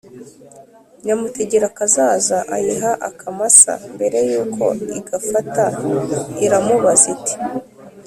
nyamutegerakazaza ayiha akamasa. mbere y'uko igafata, iramubaza iti: